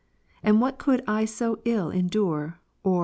And what could I so ill endure, or, " Lit.